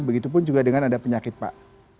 begitu pun juga dengan ada penyakit pak